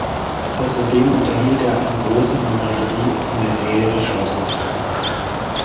Außerdem unterhielt er eine große Menagerie in der Nähe des Schlosses.